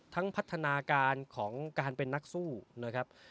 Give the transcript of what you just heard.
พัฒนาการของการเป็นนักสู้นะครับ